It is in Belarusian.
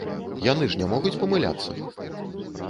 Яны ж не могуць памыляцца!